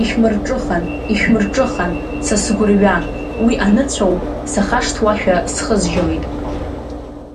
Ишәмырҿыхан, ишәмырҿыхан, са сгәырҩа, уи аныцәоу, сахашҭуашәа схы зжьоит…